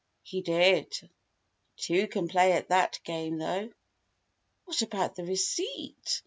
"He did. Two can play at that game, though!" "What about the receipt?